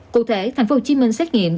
cụ thể tp hcm xét nghiệm